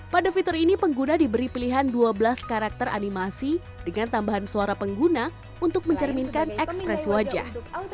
pada fitur ini pengguna diberi pilihan dua belas karakter animasi dengan tambahan suara pengguna untuk mencerminkan ekspres wajah